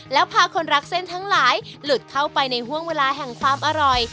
แล้วพาคนรักเส้นทั้งหลายหลุดเข้าไปในห่วงเวลาแห่งความอร่อย